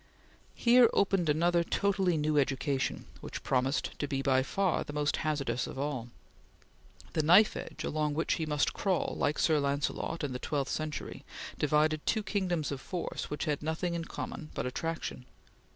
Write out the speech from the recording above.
Here opened another totally new education, which promised to be by far the most hazardous of all. The knife edge along which he must crawl, like Sir Lancelot in the twelfth century, divided two kingdoms of force which had nothing in common but attraction.